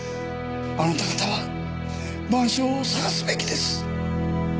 あなた方は『晩鐘』を探すべきです！